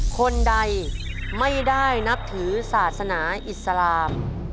คนใดไม่ได้นับถือศาสนาอิสลาม